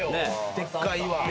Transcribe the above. でっかい岩。